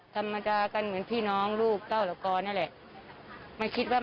ตลอดไปกิน